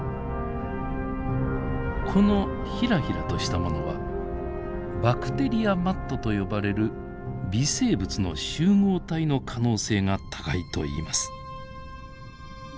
このヒラヒラとしたものはバクテリアマットと呼ばれる微生物の集合体の可能性が高いといいます。